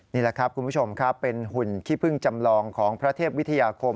นี่แหละครับคุณผู้ชมครับเป็นหุ่นขี้พึ่งจำลองของพระเทพวิทยาคม